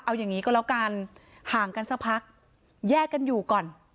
เอาอย่างนี้ก็แล้วกันห่างกันสักพักแยกกันอยู่ก่อน